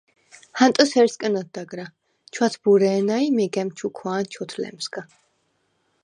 ჰანტოს ჰერსკნ ოთდაგრა, ჩვათბურე̄ნა ი მეგა̈მ ჩუქვა̄ნ ჩვოთლემსგა.